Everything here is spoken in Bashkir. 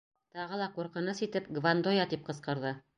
Тағы ла ҡурҡыныс итеп, Гвандоя тип ҡысҡырҙы.